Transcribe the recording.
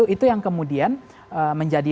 itu yang kemudian menjadi